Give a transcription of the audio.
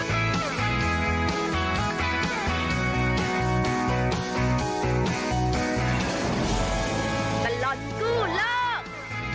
ตลอดกู้โลก